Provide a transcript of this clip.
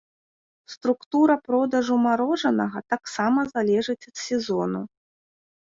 Структура продажу марожанага таксама залежыць ад сезону.